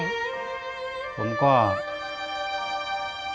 ผมก็สงสารแต่จริงจริงจริง